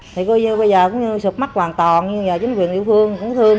thì bây giờ cũng như sụp mắt hoàn toàn nhưng giờ chính quyền địa phương cũng thương